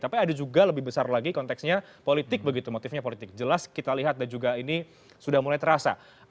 tapi ada juga lebih besar lagi konteksnya politik begitu motifnya politik jelas kita lihat dan juga ini sudah mulai terasa